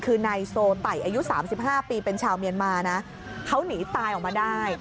คือนายโซไต่อายุ๓๕ปีเป็นชาวเมียนมานะเขาหนีตายออกมาได้